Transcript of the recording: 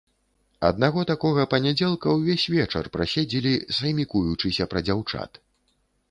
Аднаго такога панядзелка ўвесь вечар праседзелі саймікуючыся пра дзяўчат.